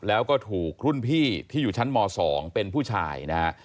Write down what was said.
แล้วก็ถูกรุ่นพี่ที่อยู่ชั้นม๒เป็นผู้ชายนะฮะ